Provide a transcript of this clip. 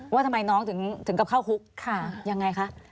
ว่าทำไมน้องถึงกลับเข้าคุกยังไงคะ